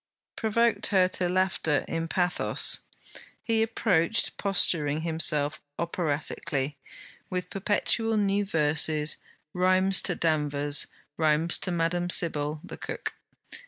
provoked her to laughter in pathos. He approached, posturing himself operatically, with perpetual new verses, rhymes to Danvers, rhymes to Madame Sybille, the cook.